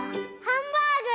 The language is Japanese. ハンバーグ！